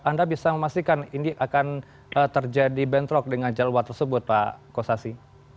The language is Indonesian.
anda bisa memastikan ini akan terjadi bentrok dengan jalur tersebut pak kosasi